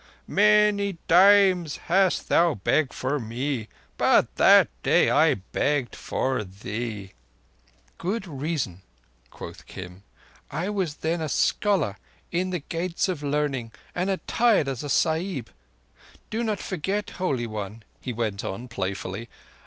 Many times hast thou begged for me, but that day I begged for thee." "Good reason," quoth Kim. "I was then a scholar in the Gates of Learning, and attired as a Sahib. Do not forget, Holy One," he went on playfully.